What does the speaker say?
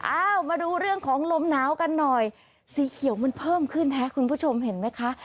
อ้าวมาดูเรื่องของลมหนาวกันหน่อยสีเขียวมันเพิ่มขึ้นฮะคุณผู้ชมเห็นไหมคะ